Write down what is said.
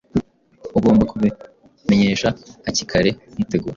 Ugomba kubimenyesha hakikare nkitegura